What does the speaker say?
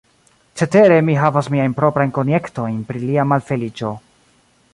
Cetere, mi havas miajn proprajn konjektojn pri lia malfeliĉo.